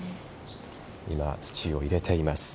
今、土を入れています。